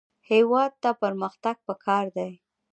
هېواد ته پرمختګ پکار دی